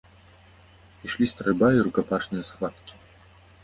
Ішлі стральба і рукапашныя схваткі.